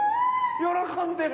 喜んでる。